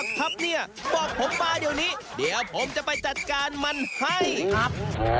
ทำเบนครับ